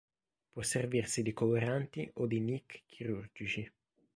Può servirsi di coloranti o di "nick" chirurgici.